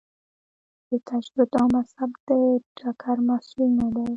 د تجدد او مذهب د ټکر محصول نه دی.